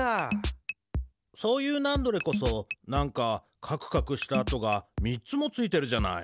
そういうナンドレこそなんかかくかくした跡がみっつもついてるじゃない。